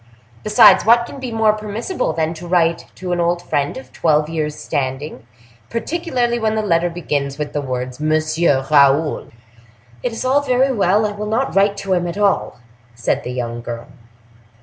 Besides, what can be more permissible than to write to an old friend of twelve years' standing, particularly when the letter begins with the words 'Monsieur Raoul'?" "It is all very well—I will not write to him at all," said the young girl.